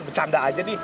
bercanda aja nih